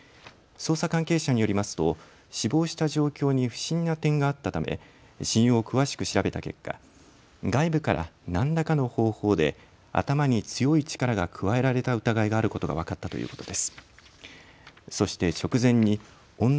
捜査関係者によりますと死亡した状況に不審な点があったため死因を詳しく調べた結果、外部から何らかの方法で頭に強い力が加えられた疑いがあることが分かったということです。